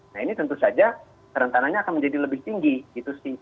nah ini tentu saja kerentanannya akan menjadi lebih tinggi gitu sih